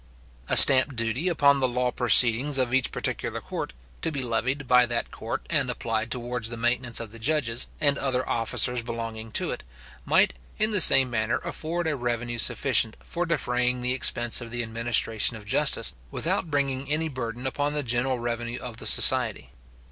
A stamp duty upon the law proceedings of each particular court, to be levied by that court, and applied towards the maintenance of the judges, and other officers belonging to it, might in the same manner, afford a revenue sufficient for defraying the expense of the administration of justice, without bringing any burden upon the general revenue of the society.